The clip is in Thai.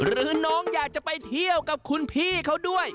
หรือน้องอยากจะไปเที่ยวกับคุณพี่เขาด้วย